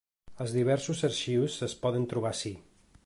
Els diversos arxius es poden trobar ací.